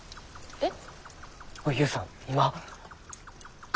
えっ。